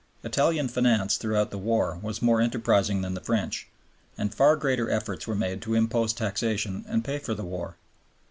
Italian finance throughout the war was more enterprising than the French, and far greater efforts were made to impose taxation and pay for the war.